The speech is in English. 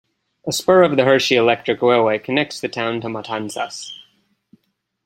A spur of the Hershey Electric Railway connects the town to Matanzas.